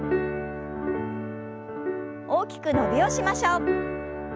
大きく伸びをしましょう。